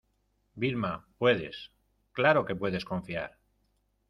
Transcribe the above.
Vilma, puedes , claro que puedes confiar.